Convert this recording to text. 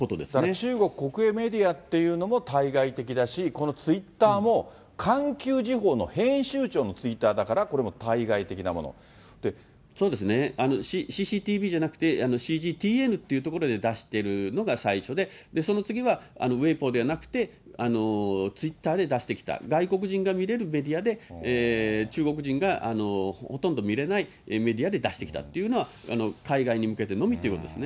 中国国営メディアっていうのも対外的だし、このツイッターも環球時報の編集長のツイッターだからこれも対外そうですね、ＣＣＴＢじゃなくて、ＣＧＴＮっていうところで出してるのが最初で、その次は、ウェイボーではなくて、ツイッターで出してきた、外国人が見れるメディアで、中国人がほとんど見れないメディアで出してきたというのは、海外に向けてのみということですね。